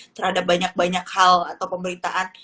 terhadap banyak banyak hal atau pemberitaan